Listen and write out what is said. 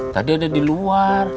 tadi ada di luar